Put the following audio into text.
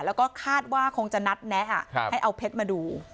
แล้วก็คาดว่าคงจะนัดแนะให้เอาเพชรมาดู